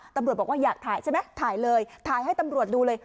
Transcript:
ตำรวจบอกว่าอยากถ่ายใช่ไหมถ่ายเลยถ่ายให้ตำรวจดูเลย